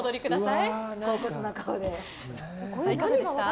いかがでした？